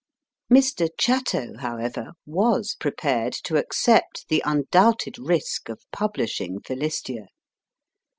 Mr. Chatto, however, was prepared to accept the undoubted risk of publishing Philistia.